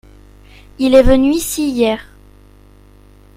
Il est venu ici hier.